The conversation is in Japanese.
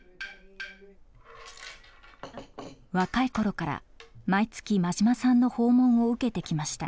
若い頃から毎月馬島さんの訪問を受けてきました。